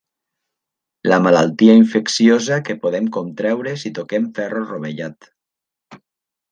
La malaltia infecciosa que podem contreure si toquem ferro rovellat.